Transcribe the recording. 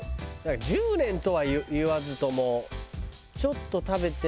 １０年とは言わずともちょっと食べてないな。